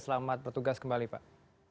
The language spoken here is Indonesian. selamat bertugas kembali pak